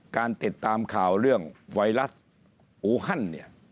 การติดตามข่าวเรื่องไวรัสอูฮันเนี่ย